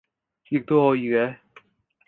亦都可以嘅